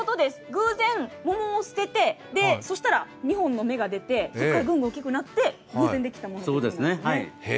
偶然、桃を捨ててそしたら２本の芽が出てそこからどんどん大きくなって偶然できたものなんです。